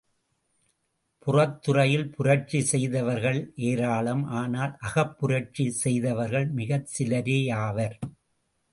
புறத்துறையில் புரட்சி செய்தவர்கள் ஏராளம் ஆனால் அகப்புரட்சி செய்தவர்கள் மிகச் சிலரேயாவர்.